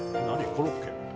コロッケ。